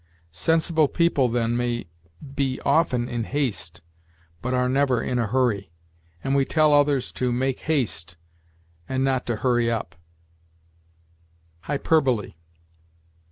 Sensible people, then, may be often in haste, but are never in a hurry; and we tell others to make haste, and not to hurry up. HYPERBOLE.